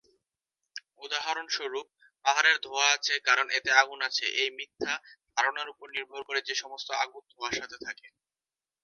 উদাহরণস্বরূপ, "পাহাড়ের ধোঁয়া আছে কারণ এতে আগুন আছে" এই মিথ্যা ধারণার উপর নির্ভর করে যে সমস্ত আগুন ধোঁয়ার সাথে থাকে।